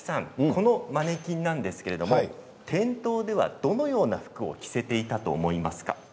このマネキンなんですが店頭ではどのような服を着せていたと思いますか。